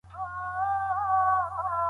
آیا هر څوک د داسي عدالت توان لري؟